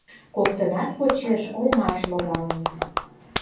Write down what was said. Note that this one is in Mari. Коктынат Почет оҥаш логалыныт.